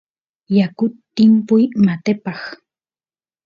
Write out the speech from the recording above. yakut timpuy matepaq